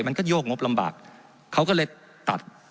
มันก็โยกงบลำบากเขาก็เลยตัด